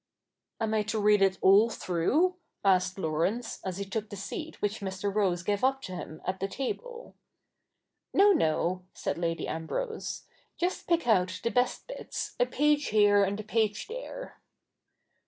' Am I to read it all through ?' asked Laurence, as he took the seat which Mr. Rose gave up to him at the table. ' No, no,' said Lady Ambrose. ' Just pick out the best bits — a page here, and a page there.'